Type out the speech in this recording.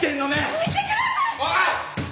おい！